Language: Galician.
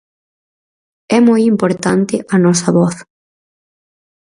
É moi importante a nosa voz.